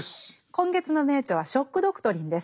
今月の名著は「ショック・ドクトリン」です。